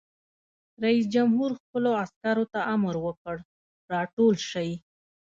رئیس جمهور خپلو عسکرو ته امر وکړ؛ راټول شئ!